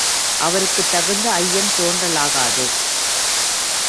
அவருக்குத் தகுந்த ஐயம் தோன்றலாகாது.